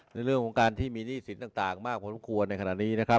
ในเรื่องของการที่มีหนี้สินต่างมากพอสมควรในขณะนี้นะครับ